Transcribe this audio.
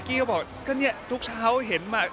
กี้ก็บอกก็เนี่ยทุกเช้าเห็นมา